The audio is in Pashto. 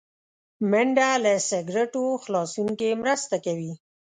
منډه له سګرټو خلاصون کې مرسته کوي